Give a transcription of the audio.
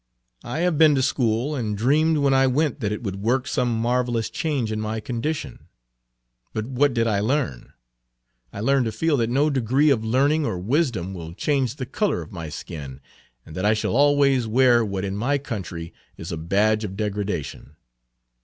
"I have been to school, and dreamed when I went that it would work some marvelous Page 87 change in my condition. But what did I learn? I learned to feel that no degree of learning or wisdom will change the color of my skin and that I shall always wear what in my own country is a badge of degradation.